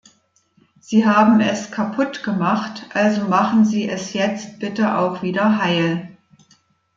Sie haben es kaputt gemacht, also machen Sie es jetzt bitte auch wieder heil.